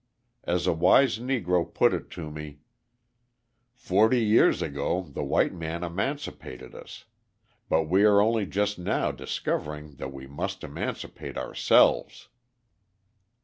As a wise Negro put it to me: "Forty years ago the white man emancipated us: but we are only just now discovering that we must emancipate ourselves."